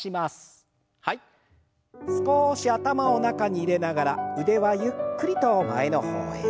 少し頭を中に入れながら腕はゆっくりと前の方へ。